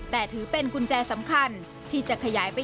แต่ถือเป็นกุญแจสำคัญที่จะขยายไป